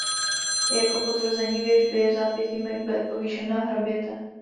Jako potvrzení věštby je vzápětí Macbeth povýšen na hraběte.